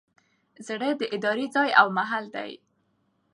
زړه د ارادې ځای او محل دﺉ.